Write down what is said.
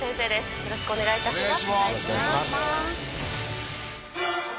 よろしくお願いします。